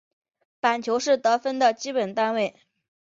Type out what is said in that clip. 板球是得分的基本单位。